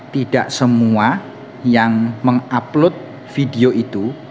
tidak semua yang mengupload video itu